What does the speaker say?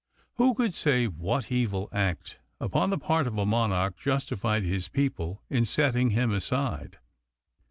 Who could say what evil act upon the part of a monarch justified his people in setting him aside?